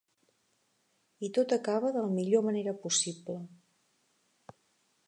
I tot acaba de la millor manera possible.